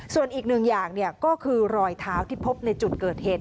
ส่วนอีกหนึ่งอย่างก็คือรอยเท้าที่พบในจุดเกิดเหตุ